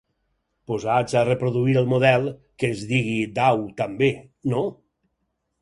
Posats a reproduir el model, que es digui Dau també, no?